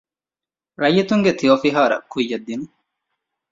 ރައްޔިތުންގެ ތެޔޮފިހާރަ ކުއްޔަށް ދިނުމަށް